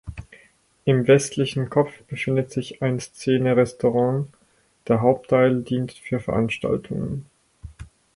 Im westlichen Kopf befindet sich ein Szene-Restaurant, der Hauptteil dient für Veranstaltungen.